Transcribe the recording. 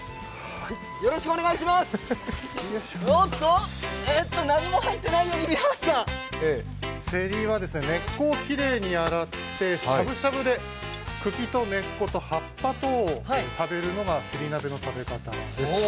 おっと、何も入ってないように見えますがせりは根っこをきれいに洗ってしゃぶしゃぶで茎と根っこと葉っぱと食べるのがせり鍋の食べ方です。